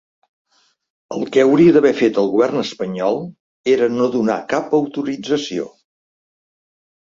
El que hauria d’haver fet el govern espanyol era no donar cap autorització.